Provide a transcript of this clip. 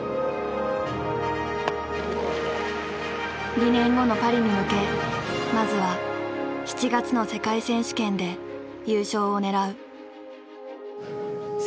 ２年後のパリに向けまずは７月の世界選手権で優勝を狙う。